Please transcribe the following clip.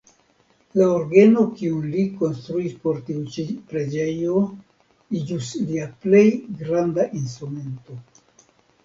La orgeno kiun li konstruis por tiu ĉi preĝejo iĝus lia plej granda instrumento.